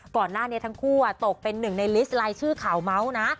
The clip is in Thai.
ก่อนหน้านี้ทั้งคู่ตกเป็นหนึ่งในลิสต์ลายชื่อข่าวเมาส์นะ